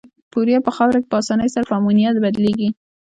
یوریا په خاوره کې په اساني سره په امونیا بدلیږي.